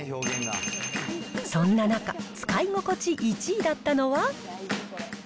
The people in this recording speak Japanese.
そんな中、使い心地１位だったのは。